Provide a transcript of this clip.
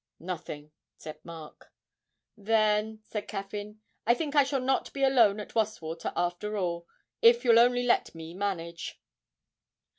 'Nothing,' said Mark. 'Then,' said Caffyn, 'I think I shall not be alone at Wastwater after all, if you'll only let me manage.'